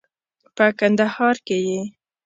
په کندهار کې یې